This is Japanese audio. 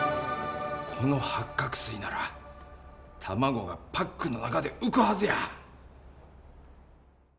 この八角すいなら卵がパックの中で浮くはずや！